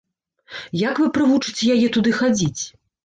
Як вы прывучыце яе туды хадзіць?